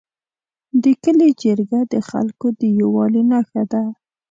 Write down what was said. د کلي جرګه د خلکو د یووالي نښه ده.